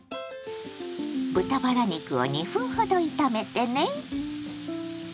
豚バラ肉を２分ほど炒めてね。